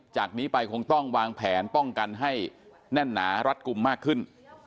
จากนี้ไปคงต้องวางแผนป้องกันให้แน่นหนารัดกลุ่มมากขึ้น